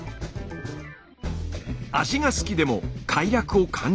味が好きでも快楽を感じない。